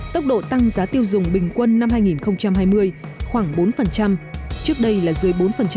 tốc độ tăng giá tiêu dùng bình quân năm hai nghìn hai mươi khoảng bốn trước đây là dưới bốn